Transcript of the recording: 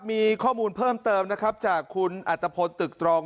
มีข้อมูลเพิ่มเติมนะครับจากคุณอัตภพลตึกตรอง